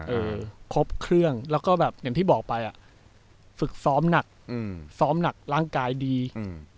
เออครบเครื่องแล้วก็แบบอย่างที่บอกไปอ่ะฝึกซ้อมหนักอืมซ้อมหนักร่างกายดีอืม